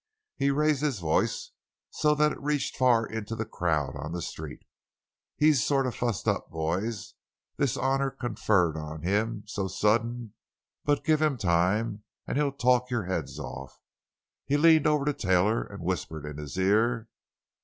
He raised his voice, so that it reached far into the crowd on the street: "He's sort of fussed up, boys; this honor being conferred on him so sudden; but give him time and he'll talk your heads off!" He leaned over to Taylor and whispered in his ear.